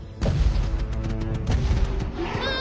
うわ！